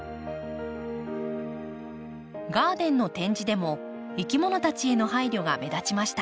ガーデンの展示でもいきものたちへの配慮が目立ちました。